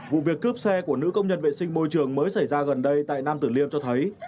vụ việc cướp xe của nữ công nhân vệ sinh môi trường mới xảy ra gần đây tại nam tử liêm cho thấy